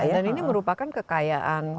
dan ini merupakan kekayaan